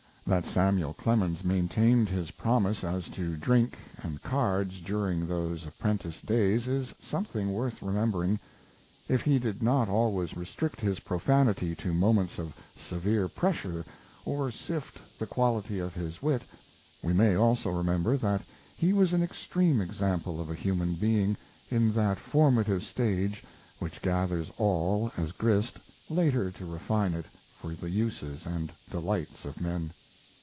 That Samuel Clemens maintained his promise as to drink and cards during those apprentice days is something worth remembering; and if he did not always restrict his profanity to moments of severe pressure or sift the quality of his wit, we may also remember that he was an extreme example of a human being, in that formative stage which gathers all as grist, later to refine it for the uses and delights of men.